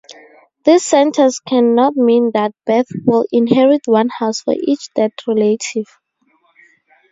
This sentence cannot mean that Beth will inherit one house for each dead relative.